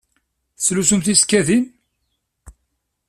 Tettlusum tisekkadin?